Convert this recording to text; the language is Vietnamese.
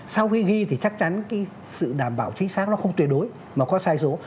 sau khi ghi thì chắc chắn cái sự đảm bảo chính xác nó không tuyệt đối mà có sai số